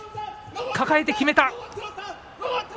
抱えて、きめた。